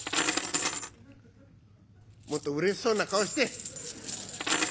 「もっとうれしそうな顔して」。